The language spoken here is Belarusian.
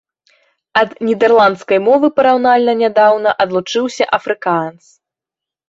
Ад нідэрландскай мовы параўнальна нядаўна адлучыўся афрыкаанс.